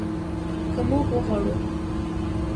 که موږ وغواړو.